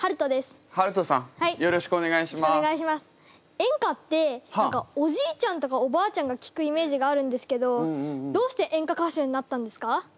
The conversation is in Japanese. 演歌っておじいちゃんとかおばあちゃんが聴くイメージがあるんですけどどうして演歌歌手になったんですか？